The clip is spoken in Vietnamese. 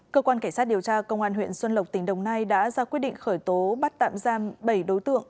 cơ quan cảnh sát điều tra công an huyện xuân lộc tỉnh đồng nai đã ra quyết định khởi tố bắt tạm giam bảy đối tượng